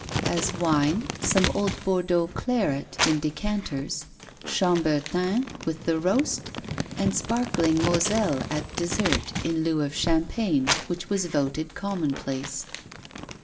As wine, some old Bordeaux claret in decanters, chambertin with the roast, and sparkling moselle at dessert, in lieu of champagne, which was voted commonplace.